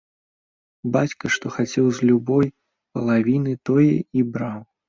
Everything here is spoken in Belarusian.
Бацька што хацеў з любой палавіны, тое і браў.